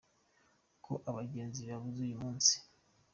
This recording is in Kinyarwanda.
Ko abajyenzi babuze uyu munsi.